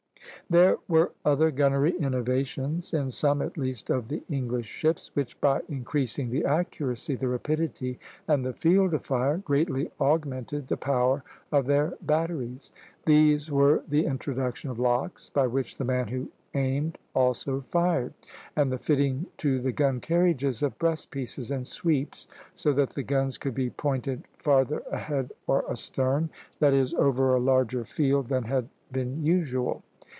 There were other gunnery innovations, in some at least of the English ships, which by increasing the accuracy, the rapidity, and the field of fire, greatly augmented the power of their batteries. These were the introduction of locks, by which the man who aimed also fired; and the fitting to the gun carriages of breast pieces and sweeps, so that the guns could be pointed farther ahead or astern, that is, over a larger field than had been usual.